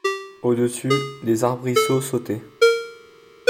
Au-dessus des arbrisseaux sautaient